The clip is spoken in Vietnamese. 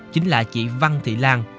chính là chị văn thị lan